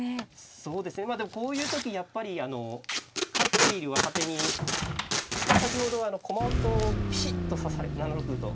そうですねまあでもこういう時やっぱりあの勝っている若手に先ほどは駒音ピシッと指され７六歩と。